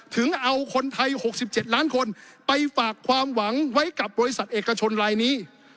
ถึงเอาคนไทย๖๗ล้านคนไปฝากความหวังไว้กับบริษัทเอกชนลายนี้